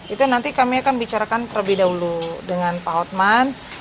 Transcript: itu nanti kami akan bicarakan terlebih dahulu dengan pak hotman